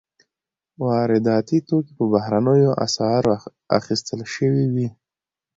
وارداتي توکي په بهرنیو اسعارو اخیستل شوي وي.